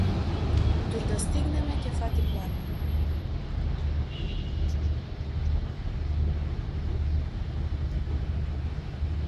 Дури да стигнеме ќе фати пладне.